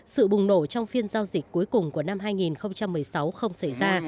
sự bùng nổ trong phiên giao dịch cuối cùng của năm hai nghìn một mươi sáu không xảy ra